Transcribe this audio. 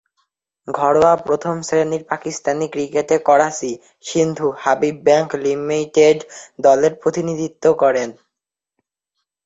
ঘরোয়া প্রথম-শ্রেণীর পাকিস্তানি ক্রিকেটে করাচি, সিন্ধু, হাবিব ব্যাংক লিমিটেড দলের প্রতিনিধিত্ব করেন।